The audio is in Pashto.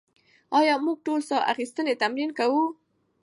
ایا موږ ټول ساه اخیستنې تمرین کوو؟